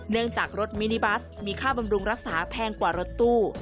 เนื่องจากรถมินิบัสมีค่าบำรุงรักษาแพงกว่ารถตู้